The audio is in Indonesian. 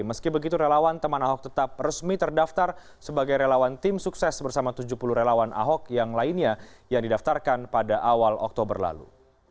meski begitu relawan teman ahok tetap resmi terdaftar sebagai relawan tim sukses bersama tujuh puluh relawan ahok yang lainnya yang didaftarkan pada awal oktober lalu